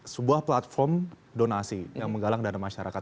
sebuah platform donasi yang menggalang dana masyarakat